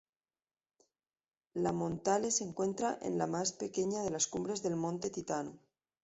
La Montale se encuentra en la más pequeña de las cumbres del Monte Titano.